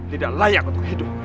tidak layak untuk hidup